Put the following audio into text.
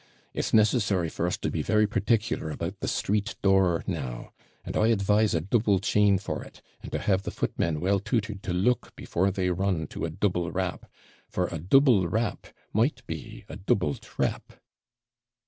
It's necessary for us to be very particular about the street door now; and I advise a double chain for it, and to have the footmen well tutored to look before they run to a double rap; for a double rap might be a double trap.'